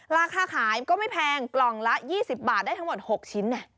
ราคาขายก็ไม่แพงกล่องละ๒๐บาทได้ทั้งหมด๖ชิ้น